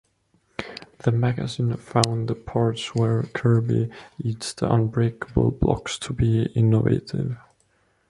The magazine found the parts where Kirby eats the unbreakable blocks to be innovative.